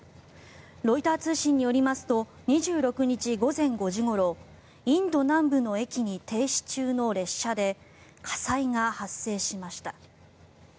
ロイター通信によりますと２６日午前５時ごろインド南部の駅に停止中の列車で火災が発生しました。